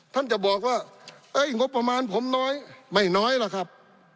ท่านจะบอกว่างบประมาณผมน้อยไม่น้อยล่ะครับ